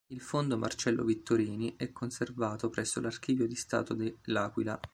Il fondo "Marcello Vittorini" è conservato presso l'Archivio di Stato di L'Aquila.